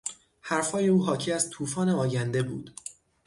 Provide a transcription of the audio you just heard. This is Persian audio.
حرفهای او حاکی از توفان آینده بود.